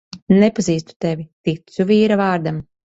Nepazīstu tevi, ticu vīra vārdam.